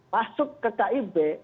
masuk ke kib